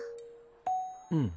うん。